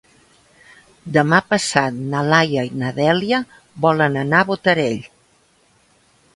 Demà passat na Laia i na Dèlia volen anar a Botarell.